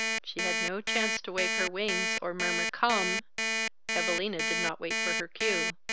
She had no chance to wave her wings or murmur, "Come." Evalina did not wait for her cue.